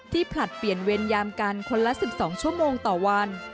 ผลัดเปลี่ยนเวรยามกันคนละ๑๒ชั่วโมงต่อวัน